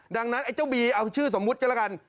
ดังนั้นไอ้เจ้าบีเอาชื่อสมมุติก็แล้วกัน